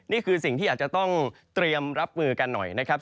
นี่คือสิ่งที่อาจจะต้องเตรียมรับมือกันหน่อยนะครับ